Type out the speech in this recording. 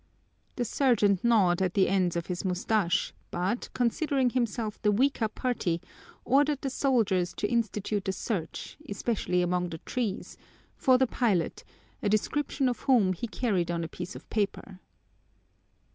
The sergeant gnawed at the ends of his mustache but, considering himself the weaker party, ordered the soldiers to institute a search, especially among the trees, for the pilot, a description of whom he carried on a piece of paper.